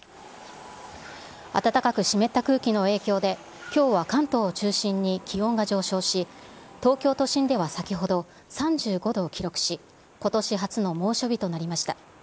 暖かく湿った空気の影響で、きょうは関東を中心に気温が上昇し、東京都心では先ほど、３５度を記録し、ことし初の猛暑日となりました。